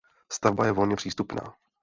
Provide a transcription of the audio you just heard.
Stavba je volně přístupná.